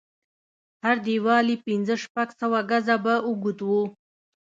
هر دېوال يې پنځه شپږ سوه ګزه به اوږد و.